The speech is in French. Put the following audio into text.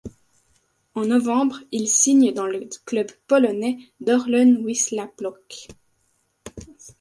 En novembre, il signe dans le club polonais d'Orlen Wisła Płock.